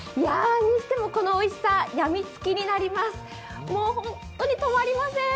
このおいしさ、やみつきになります